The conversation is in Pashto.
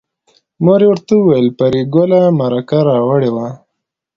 مور یې ورته وویل چې پري ګله مرکه راوړې وه